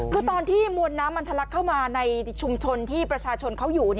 คือตอนที่มวลน้ำมันทะลักเข้ามาในชุมชนที่ประชาชนเขาอยู่